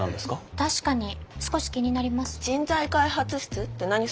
確かに少し気になります。